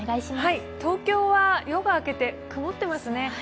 東京は夜が明けて、くもってますね。